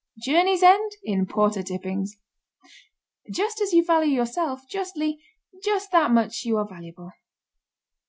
Journeys end in porter tippings. Just as you value yourself justly just that much are you valuable.